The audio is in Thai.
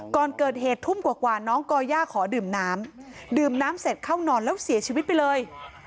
ก่อนเกิดเหตุทุ่มกว่าน้องก่อย่าขอดื่มน้ำดื่มน้ำเสร็จเข้านอนแล้วเสียชีวิตไปเลย